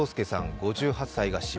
５８歳が死亡。